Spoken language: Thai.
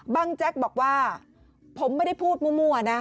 แจ๊กบอกว่าผมไม่ได้พูดมั่วนะ